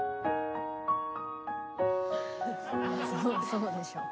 そうでしょ。